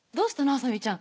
麻美ちゃん